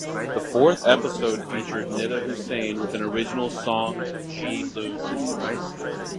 The fourth episode featured Nida Hussain with an original song Jee Loon.